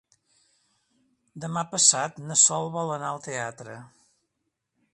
Demà passat na Sol vol anar al teatre.